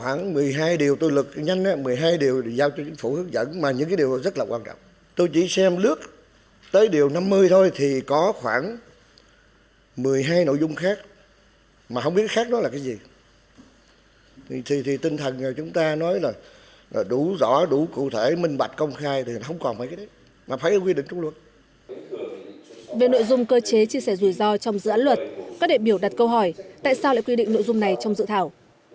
về nội dung cơ chế chia sẻ rủi ro trong dự án luật các đại biểu đặt câu hỏi tại sao lại quy định nội dung này trong dự thảo